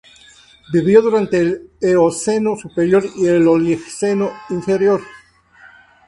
Vivió durante el Eoceno superior y el Oligoceno inferior.